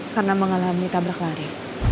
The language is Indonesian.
karena mengalami tabrak lari